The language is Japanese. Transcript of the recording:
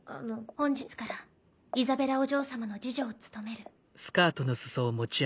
本日からイザベラお嬢様の侍女を務める。